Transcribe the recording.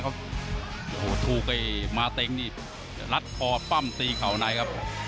โอ้โหถูกไอ้มาเต็งนี่รัดคอปั้มตีเข่าในครับ